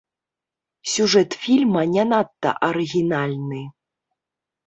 Сюжэт фільма не надта арыгінальны.